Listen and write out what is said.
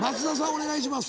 お願いします。